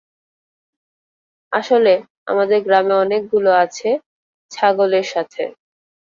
আসলে, আমাদের গ্রামে অনেকগুলো আছে, ছাগলের সাথে।